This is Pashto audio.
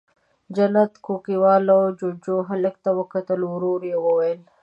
جنت کوکۍ والوته، جُوجُو، هلک ته وکتل، ورو يې وويل: